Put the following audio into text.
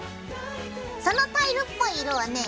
そのタイルっぽい色はね